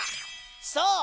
そう！